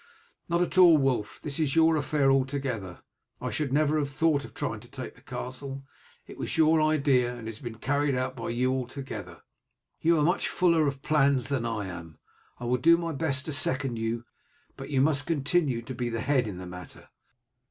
"Not at all, Wulf, this is your affair altogether. I should never have thought of trying to take the castle. It was your idea, and has been carried out by you altogether. You are much fuller of plans than I am. I will do my best to second you, but you must continue to be the head in the matter."